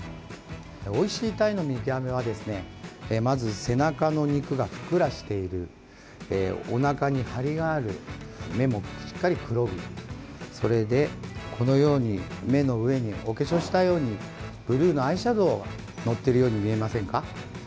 おいしいタイの見極めは背中の肉がふっくらしているおなかに張りがある目もしっかり黒いそれで、このように目の上にお化粧したようにブルーのアイシャドーのっているように見えませんか？